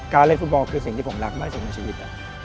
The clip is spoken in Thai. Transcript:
เล่นฟุตบอลคือสิ่งที่ผมรักมากที่สุดในชีวิต